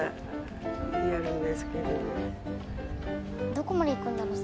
どこまで行くんだろう？